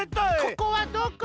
ここはどこ？